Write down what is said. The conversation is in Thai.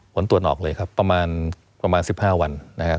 ผลตรวจออกเลยครับประมาณ๑๕วันนะครับ